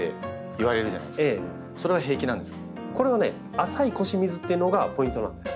浅い腰水っていうのがポイントなんです。